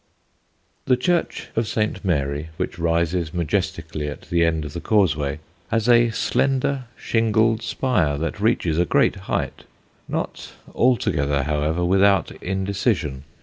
The church of St. Mary, which rises majestically at the end of the Causeway, has a slender shingled spire that reaches a great height not altogether, however, without indecision.